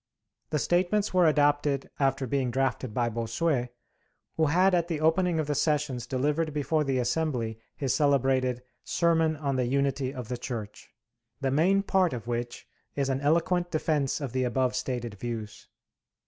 The statements were adopted after being drafted by Bossuet, who had at the opening of the sessions delivered before the Assembly his celebrated 'Sermon on the Unity of the Church,' the main part of which is an eloquent defense of the above stated views.